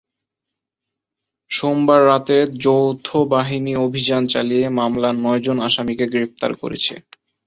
সোমবার রাতে যৌথ বাহিনী অভিযান চালিয়ে মামলার নয়জন আসামিকে গ্রেপ্তার করেছে।